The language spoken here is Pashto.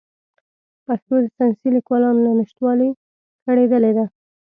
پښتو د ساینسي لیکوالانو له نشتوالي کړېدلې ده.